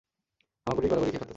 হামাগুড়ি, গড়াগড়ি খেয়ে কাঁদতে থাকে।